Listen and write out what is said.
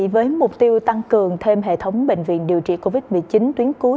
với mục tiêu tăng cường thêm hệ thống bệnh viện điều trị covid một mươi chín tuyến cuối